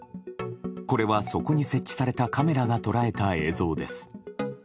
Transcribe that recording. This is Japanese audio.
これは、そこに設置されたカメラが捉えた映像です。